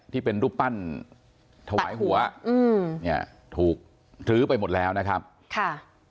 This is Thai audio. ที่เป็นรูปปั้นถวายหัวอืมเนี่ยถูกลื้อไปหมดแล้วนะครับค่ะ